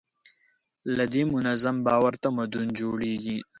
له دې منظم باور تمدن جوړېږي.